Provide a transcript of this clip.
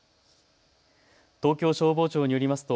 東京消防庁によりますと